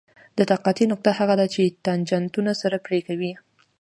د تقاطع نقطه هغه ده چې تانجانتونه سره پرې کوي